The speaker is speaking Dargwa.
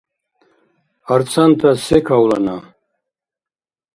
Арцантас се кавлана?